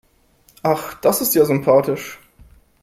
Ach, das ist ja sympathisch.